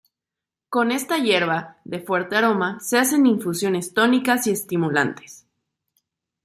Con esta hierba, de fuerte aroma, se hacen infusiones tónicas y estimulantes.